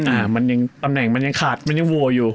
อ่ามันยังตำแหน่งมันยังขาดมันยังโหวอยู่